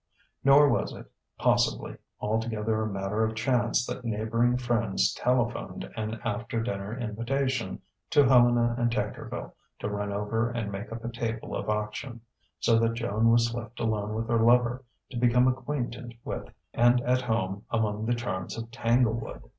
Nor was it, possibly, altogether a matter of chance that neighbouring friends telephoned an after dinner invitation to Helena and Tankerville to run over and make up a table at auction: so that Joan was left alone with her lover to become acquainted with and at home among the charms of Tanglewood....